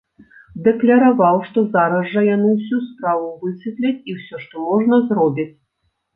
Дакляраваў, што зараз жа яны ўсю справу высветляць і ўсё, што можна, зробяць.